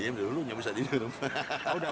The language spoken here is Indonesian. iya di hulunya bisa diminum